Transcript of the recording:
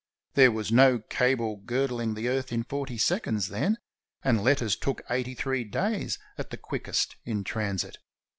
There was no cable girdling the earth in forty seconds then, and letters took eighty three days, at the quickest, in transit.